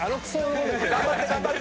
頑張って頑張って！